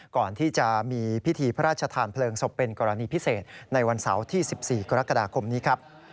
ก่อนที่จะมีพิธีพระราชทานเพลิงศพเป็นกรณีพิเศษในวันเสาร์ที่๑๔กรกฎาคมนี้ครับ